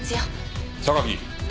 榊。